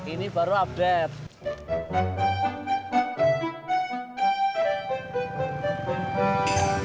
ini baru update